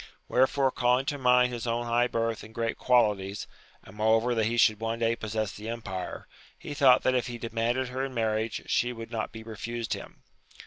Wherefore calling to mind his own high birth |iid great qualities, and moreover that he should one day possess the empire, he thought that if he demanded her in marriage she would not be refused him.